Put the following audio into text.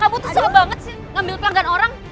kamu tuh salah banget sih ngambil pelanggan orang